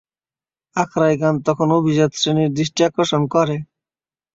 আখড়াই গান তখন অভিজাত শ্রেণির দৃষ্টি আকর্ষণ করে।